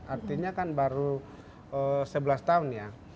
artinya kan baru sebelas tahun ya